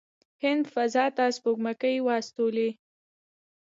هند فضا ته سپوږمکۍ واستولې.